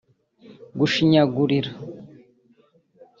gushinyagurira